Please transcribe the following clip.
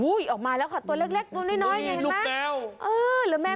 อูวออกมาแล้วค่ะตัวเล็กทำให้ลดแก้ว